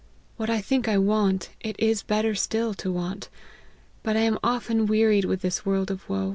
What I think I want, it is better still to want : but I am often wearied with this world of wo.